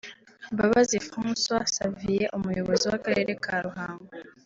Mbabazi Francoix Xavier umuyobozi w’Akarere ka Ruhango